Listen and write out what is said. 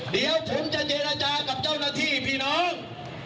เดี๋ยวถึงจะเจรจากับเจ้าหน้าที่พี่น้อง